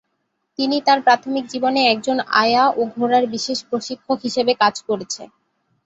তিনি তার প্রাথমিক জীবনে একজন আয়া ও ঘোড়ার বিশেষ প্রশিক্ষক হিসেবে কাজ করেছে।